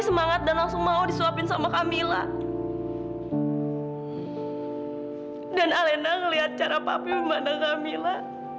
semangat dan langsung mau disuapin sama camilla dan alina melihat cara papi memandang camilla